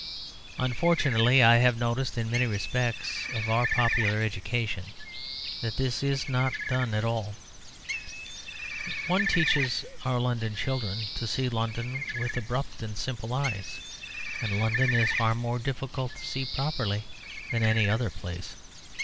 Unfortunately, I have noticed in many aspects of our popular education that this is not done at all. One teaches our London children to see London with abrupt and simple eyes. And London is far more difficult to see properly than any other place.